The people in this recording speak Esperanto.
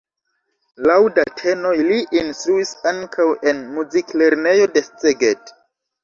Laŭ datenoj li instruis ankaŭ en muziklernejo de Szeged.